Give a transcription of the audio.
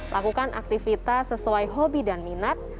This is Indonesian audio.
lakukan aktivitas sesuai hobi dan minat